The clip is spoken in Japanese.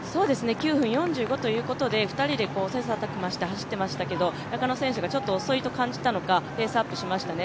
９分４５ということで２人で切磋琢磨して走ってましたけれども、中野選手がちょっと遅いと感じたのかペースアップをしましたね。